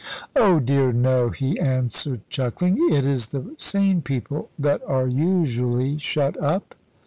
"Oh dear no," he answered, chuckling. "It is the sane people that are usually shut up."